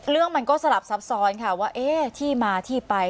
เรื่องมันก็สลับซับซ้อนค่ะว่าที่มาที่ไป